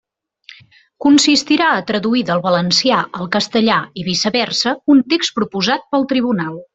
Consistirà a traduir del valencià al castellà i viceversa un text proposat pel tribunal.